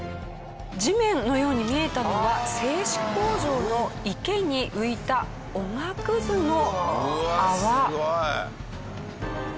地面のように見えたのは製紙工場の池に浮いたおがくずの泡。